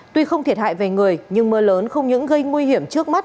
tuy không thiệt hại về người nhưng mưa lớn không những gây nguy hiểm trước mắt